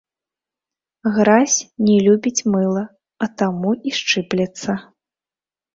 Гразь не любіць мыла, а таму і шчыплецца.